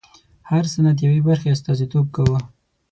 هر سند د یوې برخې استازیتوب کاوه.